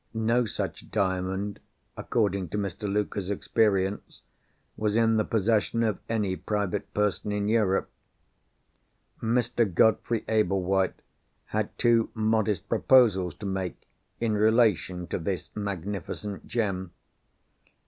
No such Diamond (according to Mr. Luker's experience) was in the possession of any private person in Europe. Mr. Godfrey Ablewhite had two modest proposals to make, in relation to this magnificent gem.